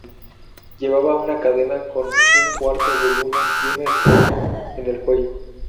Llevaba una cadena con un cuarto de luna y una estrella en el cuello.